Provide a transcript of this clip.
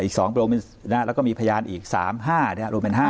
อีก๒แล้วก็มีพยานอีก๓๕รวมเป็น๕